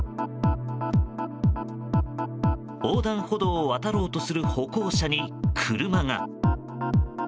横断歩道を渡ろうとする歩行者に車が。